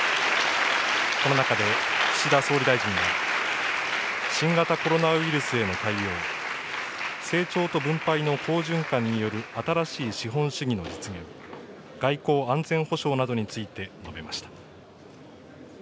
この中で、岸田総理大臣は、新型コロナウイルスへの対応、成長と分配の好循環による新しい資本主義の実現、外交、安全保障などについて述べました。